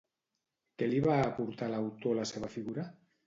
Què li va aportar a l'autor la seva figura?